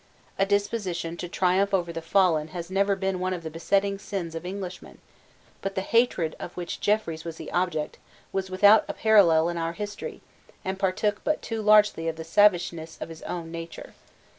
A disposition to triumph over the fallen has never been one of the besetting sins of Englishmen: but the hatred of which Jeffreys was the object was without a parallel in our history, and partook but too largely of the savageness of his own nature.